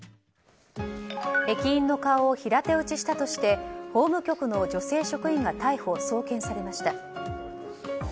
駅員の顔を平手打ちしたとして法務局の女性職員が逮捕・送検されました。